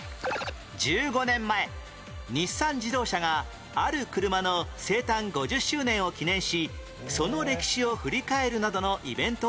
１５年前日産自動車がある車の生誕５０周年を記念しその歴史を振り返るなどのイベントを開催